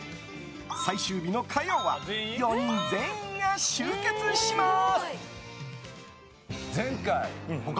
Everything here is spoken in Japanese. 最終日の火曜は４人全員が集結します。